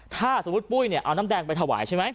ถ้าสมมุติปุ้ยเนี่ยเอาน้ำแดงไปถวายใช่ไหม